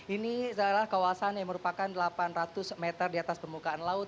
ini adalah kawasan yang merupakan delapan ratus meter di atas permukaan laut